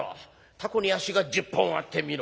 タコに足が１０本あってみろ